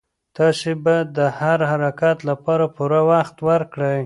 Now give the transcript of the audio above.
تاسي باید د هر حرکت لپاره پوره وخت ورکړئ.